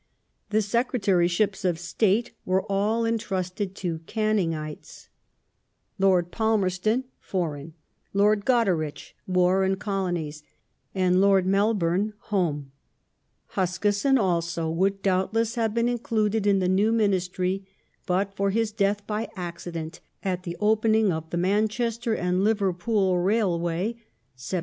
The Secretaryships of State were all entrusted to Canningites : Lord 89 disorder 90 THE RULE OF THE WHIGS [1830 Palmerston (Foreign), Lord Goderich (War and Colonies), and Lord Melbourne (Home). Huskisson also would doubtless have been included in the new Ministry but for his death by accident at the opening of the Manchester and Liverpool Railway (Sept.